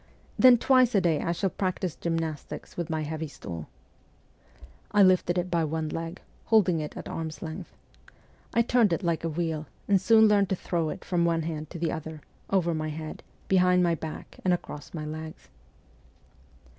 Then twice a day I shall practise gymnastics with my heavy stool.' I lifted it by one leg, holding it at arm's length. I turned it like a wheel, and soon learned to throw it from one hand to the other, over my head, behind my back, and across my legs.